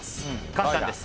簡単です。